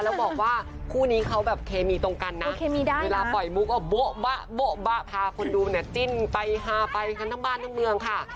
เพราะว่าคู่นี้เขาแบบเคมีตรงกันนะเวลาปล่อยมูกก็โบ๊ะพาคนดูเนี่ยจิ้นไปทั้งบ้านทั้งเมืองค่ะ